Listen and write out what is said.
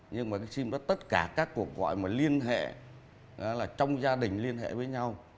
nhưng mà cái sim đó tất cả các cuộc gọi mà liên hệ là trong gia đình liên hệ với nhau